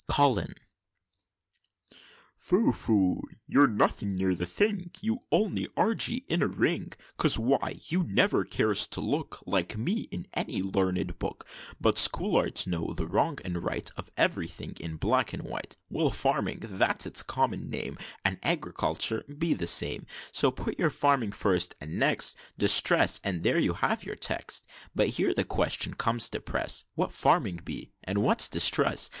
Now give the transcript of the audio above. COLIN. "Phoo! phoo! You're nothing near the thing! You only argy in a ring; 'Cause why? You never cares to look, Like me, in any larned book; But schollards know the wrong and right Of every thing in black and white. "Well, Farming, that's its common name, And Agriculture be the same: So put your Farming first, and next Distress, and there you have your text. But here the question comes to press, What farming be, and what's distress?